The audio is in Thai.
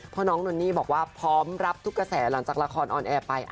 เพราะน้องนนนี่บอกว่าพร้อมรับทุกกระแสหลังจากละครออนแอร์ไป